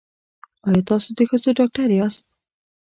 ایا تاسو د ښځو ډاکټر یاست؟